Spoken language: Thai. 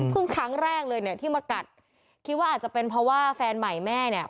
ครั้งแรกเลยเนี่ยที่มากัดคิดว่าอาจจะเป็นเพราะว่าแฟนใหม่แม่เนี่ย